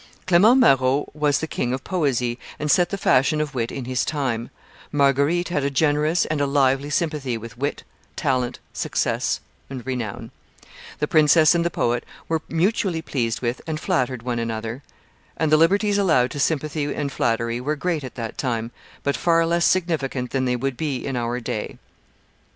Clement Marot was the king of poesy and set the fashion of wit in his time; Marguerite had a generous and a lively sympathy with wit, talent, success, renown; the princess and the poet were mutually pleased with and flattered one another; and the liberties allowed to sympathy and flattery were great at that time, but far less significant than they would be in our day.